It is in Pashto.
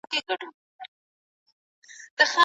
د پوهنتونونو اصول له یو بل سره توپیر لري.